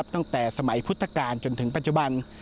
ตั้งแต่สมัยพุทธกาลจนถึงปัจจุบัน